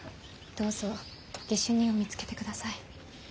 どうぞ下手人を見つけてください。